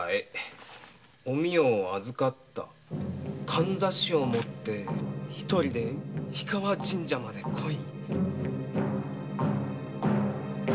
簪を持って一人で氷川神社まで来い」